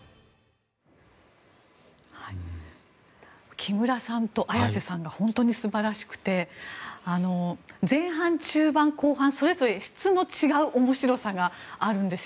木村さんと綾瀬さんが本当に素晴らしくて前半、中盤、後半それぞれ質の違う面白さがあるんですよ。